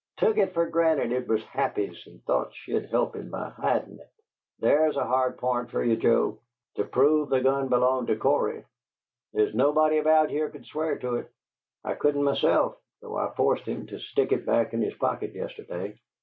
Took it fer granted it was Happy's, and thought she'd help him by hidin' it! There's a hard point fer ye, Joe: to prove the gun belonged to Cory. There's nobody about here could swear to it. I couldn't myself, though I forced him to stick it back in his pocket yesterday.